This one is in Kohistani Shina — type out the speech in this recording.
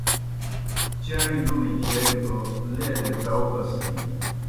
چݨیْ لُوݨیْ کھیگہ توْ لیلے تاؤ بسکِینیْ۔